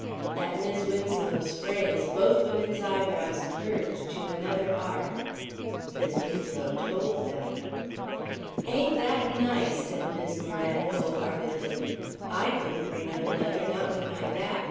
At Mis' Winslow's phrase, both women's eyebrows curved to another arc. Mis' Winslow told them. "Ain't that nice?" said Mis' Moran, wholeheartedly; "I couldn't bring up another, not with my back.